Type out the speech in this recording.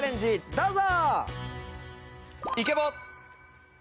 どうぞ！